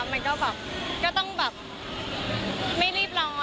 มันก็แบบก็ต้องแบบไม่รีบร้อน